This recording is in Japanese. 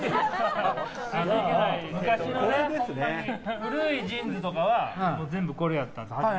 古いジーンズとかは全部これやったん。